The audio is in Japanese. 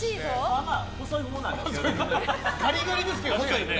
まあまあ細いほうなんですけどね。